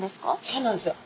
そうなんですよ。